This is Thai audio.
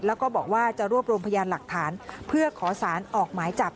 แล้วก็บอกว่าจะรวบรวมพยานหลักฐานเพื่อขอสารออกหมายจับ